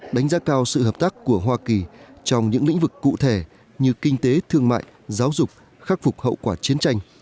đánh giá cao sự hợp tác của hoa kỳ trong những lĩnh vực cụ thể như kinh tế thương mại giáo dục khắc phục hậu quả chiến tranh